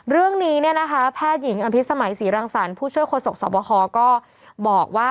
เรื่องนี้นะคะพ่อผู้ช่วยโครสกศัพท์ประคองก็บอกว่า